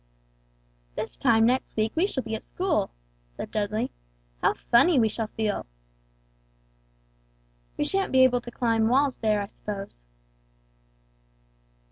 "This time next week we shall be at school," said Dudley; "how funny we shall feel!" "We shan't be able to climb walls there, I suppose."